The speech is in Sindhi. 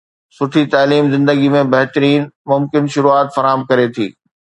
سٺي تعليم زندگي ۾ بهترين ممڪن شروعات فراهم ڪري ٿي